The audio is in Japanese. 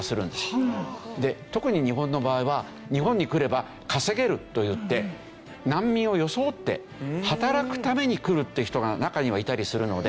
で特に日本の場合は日本に来れば稼げるといって難民を装って働くために来るって人が中にはいたりするので。